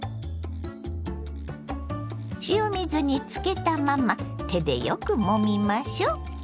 塩水につけたまま手でよくもみましょう。